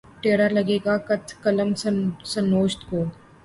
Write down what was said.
ٹیڑھا لگا ہے قط‘ قلمِ سر نوشت کو